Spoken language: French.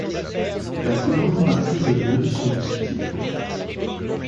La plus grande partie des nœuds sont de ce type.